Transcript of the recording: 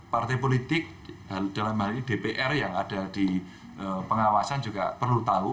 partai politik dalam hal ini dpr yang ada di pengawasan juga perlu tahu